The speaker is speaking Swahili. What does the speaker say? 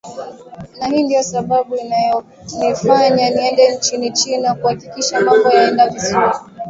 na hii ndiyo sababu iliyonifanya niende nchini china kuhakikisha mambo yanaenda vizuri